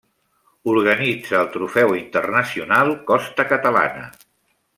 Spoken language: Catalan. Organitza el trofeu internacional Costa Catalana.